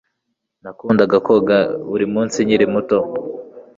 Nakundaga koga buri munsi nkiri umwana